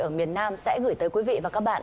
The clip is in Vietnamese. ở miền nam sẽ gửi tới quý vị và các bạn